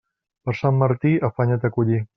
Per Sant Martí, afanya't a collir.